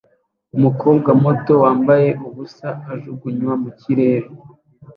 Umukobwa muto wambaye ubusa ajugunywa mu kirere